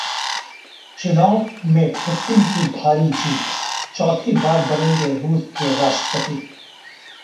चुनाव में पुतिन की भारी जीत, चौथी बार बनेंगे रूस के राष्ट्रपति